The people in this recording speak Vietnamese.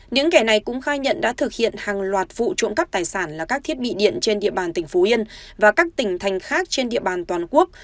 những kẻ này cũng khai nhận đã thực hiện hàng loạt vụ trộm cắp tài sản là các thiết bị điện trên địa bàn tỉnh phú yên và các tỉnh thành khác trên địa bàn toàn quốc